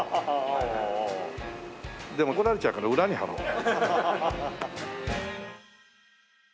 でも怒られちゃうから裏に貼ろう。